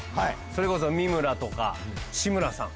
それこそ三村とか志村さん